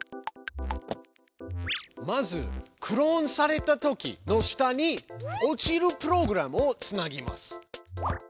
まず「クローンされたとき」の下に落ちるプログラムをつなぎます。